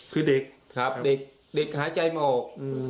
คือเด็กครับเด็กหายใจออก